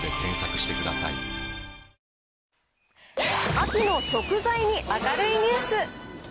秋の食材に明るいニュース。